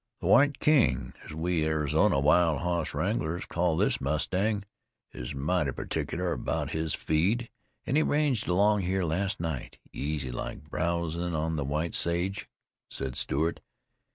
"The White King, as we Arizona wild hoss wranglers calls this mustang, is mighty pertickler about his feed, an' he ranged along here last night, easy like, browsin' on this white sage," said Stewart.